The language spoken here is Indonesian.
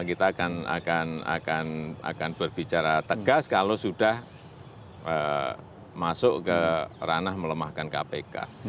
kita akan berbicara tegas kalau sudah masuk ke ranah melemahkan kpk